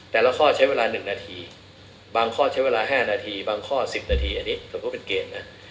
แต่ละข้อใช้เวลา๑นาทีบางข้อใช้เวลา๕นาทีบางข้อ๑๐นาทีอันนี้สมมุติเป็นเกมนะ